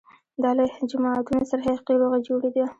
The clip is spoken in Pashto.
دا له جماعتونو سره حقیقي روغې جوړې ده.